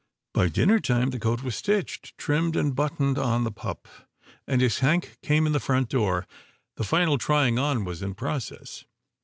By dinner time the coat was stitched, trimmed and buttoned on the pup, and, as Hank came in the front door, the final trying on was in process.